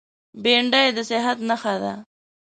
بېنډۍ د صحت نښه ده